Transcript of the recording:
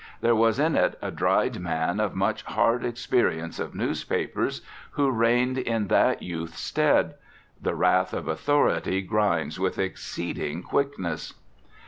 There was in it a dried man of much hard experience of newspapers, who reigned in that youth's stead. The wrath of authority grinds with exceeding quickness.